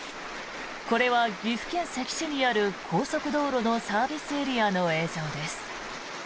これは岐阜県関市にある高速道路のサービスエリアの映像です。